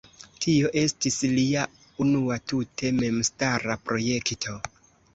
Tio estis lia unua tute memstara projekto.